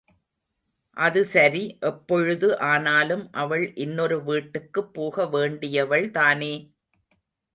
அதுசரி, எப்பொழுது ஆனாலும் அவள் இன்னொரு வீட்டுக்குப் போக வேண்டியவள் தானே!